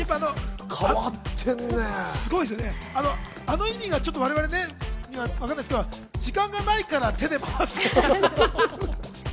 あの意味がわからないですけれど、時間がないから手で回すって。